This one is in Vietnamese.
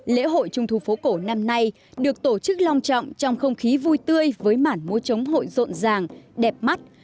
lễ hội trung thu phố cổ năm nay được tổ chức long trọng trong không khí vui tươi với mản múa trống hội rộn ràng đẹp mắt